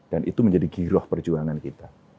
dan itu menjadi giroh perjuangan kita